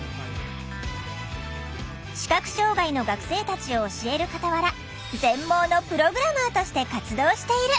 視覚障害の学生たちを教える傍ら全盲のプログラマーとして活動している。